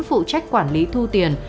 phụ trách quản lý thu tiền